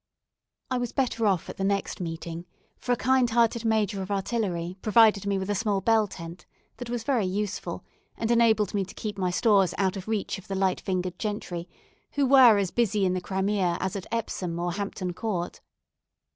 I was better off at the next meeting, for a kind hearted Major of Artillery provided me with a small bell tent that was very useful, and enabled me to keep my stores out of reach of the light fingered gentry, who were as busy in the Crimea as at Epsom or Hampton Court.